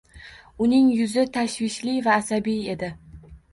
Uning yuzi tashvishli va asabiy edi